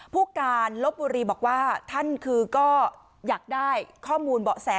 ผู้การลบบุรีบอกว่าท่านคือก็อยากได้ข้อมูลเบาะแส